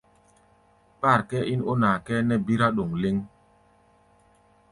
Kpár kʼɛ́ɛ́ ín ó naa kʼɛ́ɛ́ nɛ́ bírá ɗoŋ lɛ́ŋ.